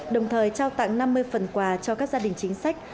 đồng thời trao tặng năm mươi phần quà cho các gia đình chính sách